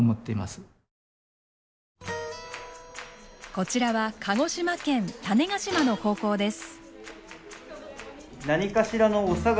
こちらは鹿児島県種子島の高校です。